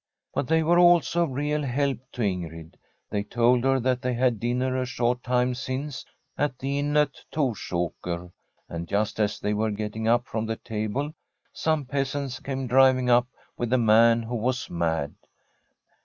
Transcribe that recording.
But they were also of real help to Ingrid. They told her that they had had dinner a short time since at the inn at Torsaker, and just as they were getting up from the table some peasants came driving up with a man who was mad.